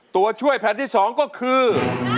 ตัวช่วยแผ่นที่๒ก็คือ